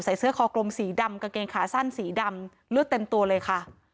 เสื้อคอกลมสีดำกางเกงขาสั้นสีดำเลือดเต็มตัวเลยค่ะ